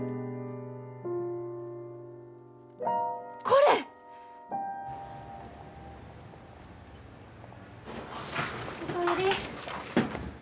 これ！お帰り。